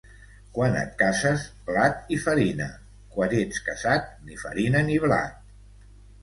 Quan et cases, blat i farina; quan ets casat, ni farina ni blat.